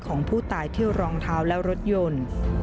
ของผู้ตายเที่ยวรองเท้าและรถยนต์